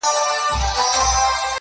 ته لږه ایسته سه چي ما وویني